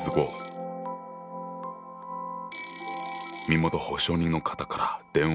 ☎身元保証人の方から電話だ。